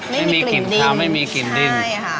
นี่มีกลิ่นดินใช่ค่ะต้องชิม